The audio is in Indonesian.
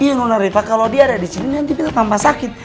iya nona riva kalo dia ada disini nanti beta tambah sakit